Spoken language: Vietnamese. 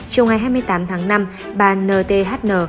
trong ngày hai mươi tám tháng năm bà nthn